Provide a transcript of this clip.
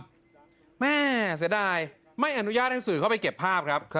เสียแป้งในเรือนจำแม่เสียดายไม่อนุญาตให้สื่อเข้าไปเก็บภาพครับ